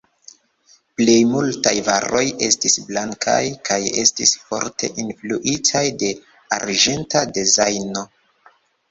Plej multaj varoj estis blankaj kaj estis forte influitaj de arĝenta dezajno.